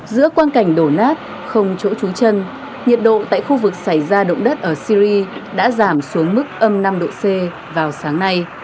giữa quan cảnh đổ nát không chỗ trú chân nhiệt độ tại khu vực xảy ra động đất ở syri đã giảm xuống mức âm năm độ c vào sáng nay